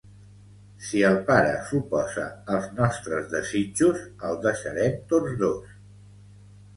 Si el pare s'oposa als nostres desitjos, el deixarem tots dos.